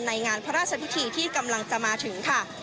งานพระราชพิธีที่กำลังจะมาถึงค่ะ